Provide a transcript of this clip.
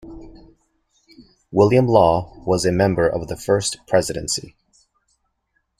William Law was a member of the First Presidency.